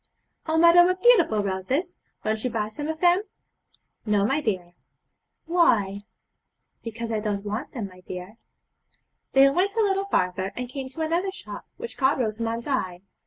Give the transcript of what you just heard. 'Oh mother, what beautiful roses! Won't you buy some of them?' 'No, my dear.' 'Why?' 'Because I don't want them, my dear.' They went a little farther, and came to another shop, which caught Rosamond's eye.